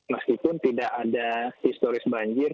meskipun tidak ada historis banjir